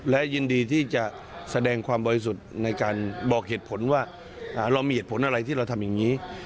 และยินดีที่จะแสดงความบริสุทธิ์ในการบอกเหตุผลว่าเรามีเหตุผลอะไรที่เราทำอย่างนี้